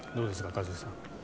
一茂さん。